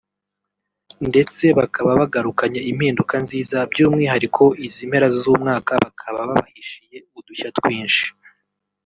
ndetse bakaba bagarukanye impinduka nziza by’umwihariko izi mpera z’umwaka bakaba babahishiye udushya twinshi